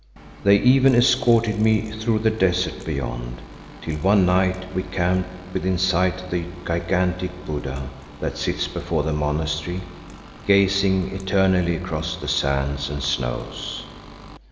They even escorted me through the desert beyond, till one night we camped within sight of the gigantic Buddha that sits before the monastery, gazing eternally across the sands and snows.